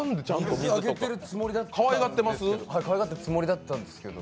水、あげてるつもりだったんですけど。